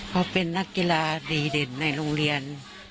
เขาเป็นนักกีฬาดีเด่นในโรงเรียน